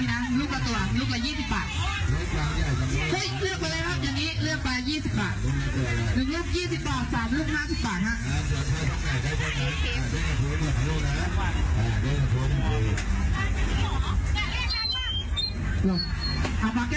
แล้วก็ง้างมือครับปลาเข้าไปครับ